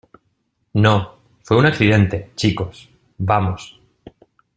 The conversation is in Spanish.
No, fue un accidente , chicos. Vamos .